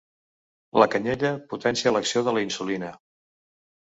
La canyella potencia l'acció de la insulina.